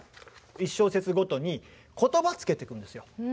１小節ごとに言葉つけてくんですよ。